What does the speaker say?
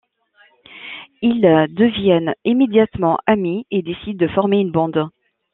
Ils deviennent immédiatement amis et décident de former une bande.